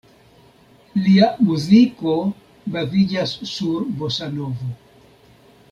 Lia muziko baziĝas sur bosanovo.